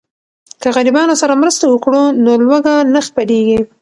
که غریبانو سره مرسته وکړو نو لوږه نه خپریږي.